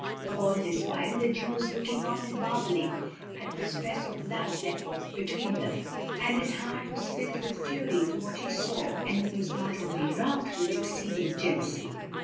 All this while, the Jew was looking on and marvelling at the stress of love that was between them, and his heart was filled with fury for what he saw and he was not only wroth, but jealous with exceeding jealousy.